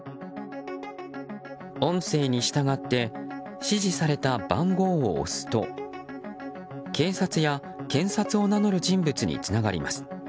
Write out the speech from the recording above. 音声に従って指示された番号を押すと警察や検察を名乗る人物につながります。